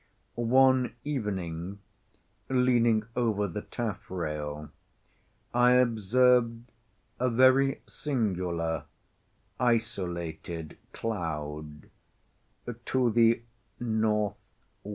One evening, leaning over the taffrail, I observed a very singular, isolated cloud, to the N.W.